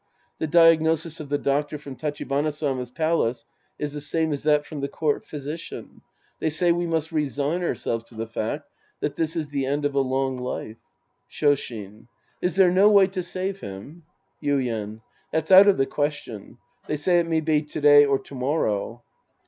The diagnosis of the doctor from Tachibana Sama's palace is the same as that of the court physician. They say we must resign ourselves to the fact that this is the end of a long life. Shoshin. Is there no way to save him ? Yuien. That's out of the question. They say it may be to day or to morrow.